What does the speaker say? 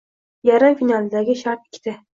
Yarim finaldagi shart ikkita